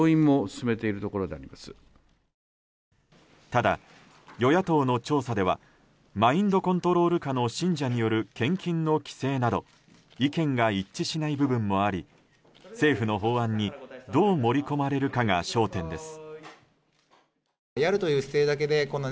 ただ与野党の調査ではマインドコントロール下の信者による献金の規制など意見が一致しない部分もあり政府の法案にどう盛り込まれるかが焦点です。